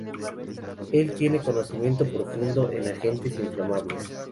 Él tiene un conocimiento profundo en agentes inflamables.